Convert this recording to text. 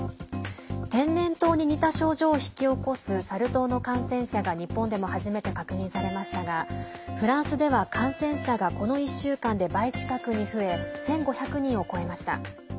天然痘に似た症状を引き起こすサル痘の感染者が日本でも初めて確認されましたがフランスでは、感染者がこの１週間で倍近くに増え１５００人を超えました。